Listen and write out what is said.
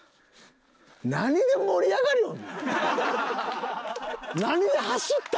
何で盛り上がりよるん？